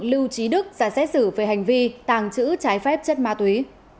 lưu trí đức ra xét xử về hành vi tàng trữ trái phép chất ma túy